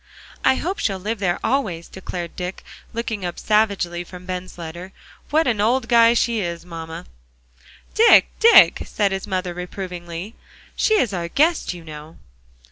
"I hope she'll live there always," declared Dick, looking up savagely from Ben's letter. "What an old guy she is, mamma!" "Dick, Dick," said his mother reprovingly, "she is our guest, you know."